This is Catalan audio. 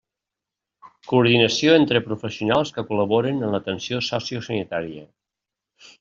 Coordinació entre professionals que col·laboren en l'atenció sociosanitària.